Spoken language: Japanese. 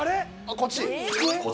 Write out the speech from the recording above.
◆こっち！？